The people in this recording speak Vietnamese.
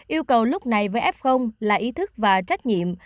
yêu cầu lúc này với f là ý thức và trách nhiệm